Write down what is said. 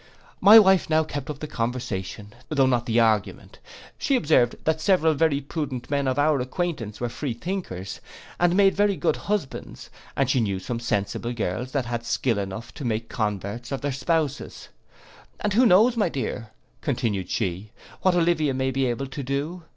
My wife now kept up the conversation, though not the argument: she observed, that several very prudent men of our acquaintance were free thinkers, and made very good husbands; and she knew some sensible girls that had skill enough to make converts of their spouses: 'And who knows, my dear,' continued she, 'what Olivia may be able to do.